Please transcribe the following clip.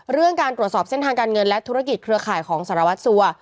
เรื่องการตรวจสอบเส้นทางการเงินและธุรกิจเครือข่ายของสารวัตรสัว